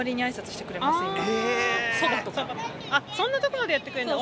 あそんなとこまでやってくれるんだ？